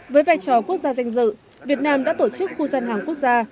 với vai trò quốc gia danh dự việt nam đã tổ chức khu gian hàng quốc gia